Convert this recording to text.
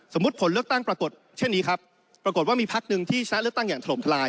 ผลเลือกตั้งปรากฏเช่นนี้ครับปรากฏว่ามีพักหนึ่งที่ชนะเลือกตั้งอย่างถล่มทลาย